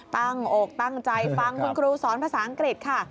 อกตั้งใจฟังคุณครูสอนภาษาอังกฤษค่ะ